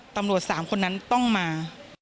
ตำรวจ๓คนนั้นต้องมา